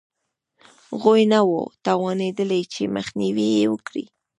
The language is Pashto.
غوی نه وو توانېدلي چې مخنیوی یې وکړي